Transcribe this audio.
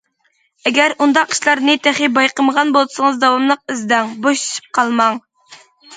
ئەگەر ئۇنداق ئىشلارنى تېخى بايقىمىغان بولسىڭىز داۋاملىق ئىزدەڭ، بوشىشىپ قالماڭ.